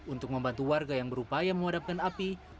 untuk membantu warga yang berupaya memadamkan api